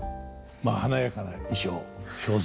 まあ華やかな衣装装束